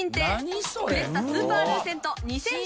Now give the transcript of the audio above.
クレスタスーパールーセント２０００